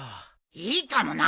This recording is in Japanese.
いいかもな。